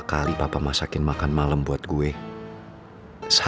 hah papa lupakan brengse